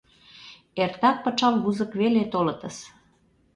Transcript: Эртак пычал вузык веле толытыс...